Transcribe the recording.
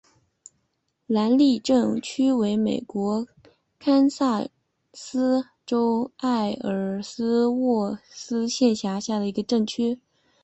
兰利镇区为美国堪萨斯州埃尔斯沃思县辖下的镇区。